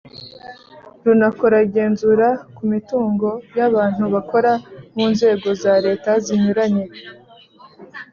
runakora igenzura ku mitungo y’abantu bakora mu nzego za leta zinyuranye.